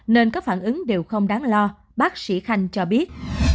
nên các phản ứng đều không đáng lo bác sĩ khanh cho biết